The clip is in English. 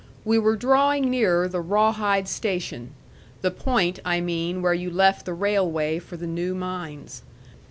We were drawing nearer the Rawhide station the point, I mean, where you left the railway for the new mines.